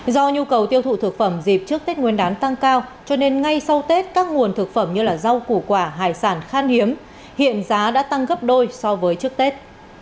do nhu cầu tiêu thụ thực phẩm dịp trước tết nguyên đán tăng cao cho nên ngay sau tết các nguồn thực phẩm như rau củ quả hải sản khan hiếm hiện giá đã tăng gấp đôi so với trước tết